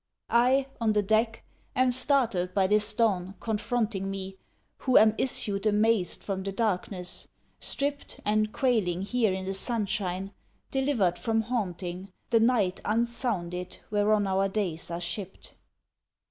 I, on the deck, am startled by this dawn confronting Me who am issued amazed from the darkness, stripped And quailing here in the sunshine, delivered from haunting The night unsounded whereon our days are shipped.